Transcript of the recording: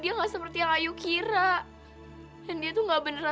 habis kesalahannya aja